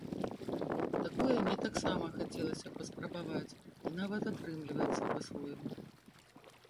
Такое мне таксама хацелася б паспрабаваць і нават атрымліваецца па-свойму.